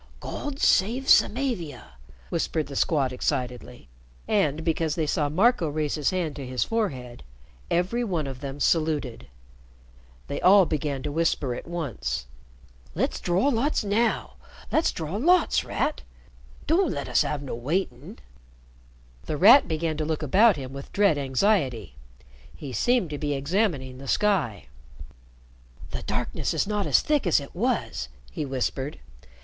'" "God save Samavia!" whispered the Squad, excitedly. And, because they saw Marco raise his hand to his forehead, every one of them saluted. They all began to whisper at once. "Let's draw lots now. Let's draw lots, Rat. Don't let's 'ave no waitin'." The Rat began to look about him with dread anxiety. He seemed to be examining the sky. "The darkness is not as thick as it was," he whispered.